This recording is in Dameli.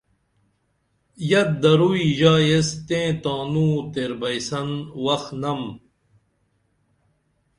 یت دروئی ژا ایس تیں تانوں تیر بئیسن وخنم